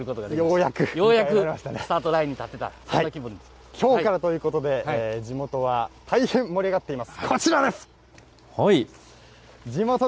ようやくスタートラインに立きょうからということで、地元は大変盛り上がっています。